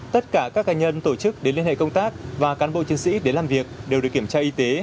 tất cả các cá nhân tổ chức đến liên hệ công tác và cán bộ chiến sĩ đến làm việc đều được kiểm tra y tế